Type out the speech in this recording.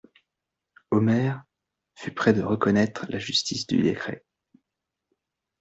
Omer fut près de reconnaître la justice du décret.